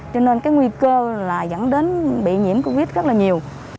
cho nên cái nguy cơ là dẫn đến bị nhiễm covid rất là nhiều